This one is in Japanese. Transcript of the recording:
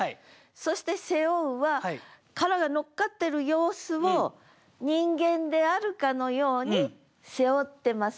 そして「背負う」は殻がのっかってる様子を人間であるかのように背負ってますよって。